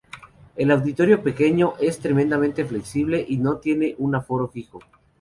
El auditorio pequeño es tremendamente flexible, y no tiene un aforo fijo.